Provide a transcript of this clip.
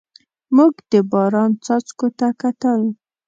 موږ د باران څاڅکو ته کتل.